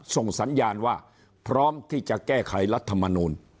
ส่งสัญญาณว่าพร้อมที่จะแก้ไขรัฐมนูล